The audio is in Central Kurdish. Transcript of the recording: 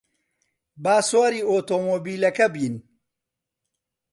با سواری ئۆتۆمۆبیلەکە بین.